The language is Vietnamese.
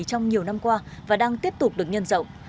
trong nhiều năm qua và đang tiếp tục được nhân rộng